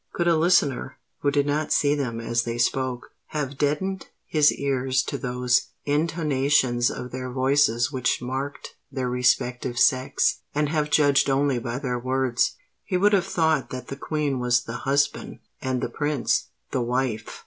Could a listener, who did not see them as they spoke, have deadened his ear to those intonations of their voices which marked their respective sex, and have judged only by their words, he would have thought that the Queen was the husband, and the Prince the wife.